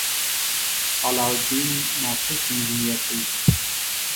علاالدین ناټک انجنیر دی.